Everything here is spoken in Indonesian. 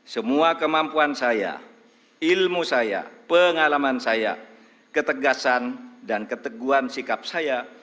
semua kemampuan saya ilmu saya pengalaman saya ketegasan dan keteguhan sikap saya